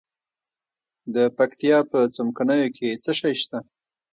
د پکتیا په څمکنیو کې څه شی شته؟